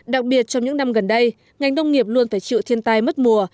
đặc biệt trong những năm gần đây ngành nông nghiệp luôn phải chịu thiên tai mất mùa